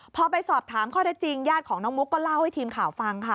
พอไปสอบถามข้อได้จริงญาติของน้องมุกก็เล่าให้ทีมข่าวฟังค่ะ